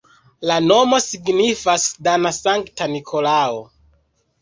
La nomo signifas dana-Sankta Nikolao.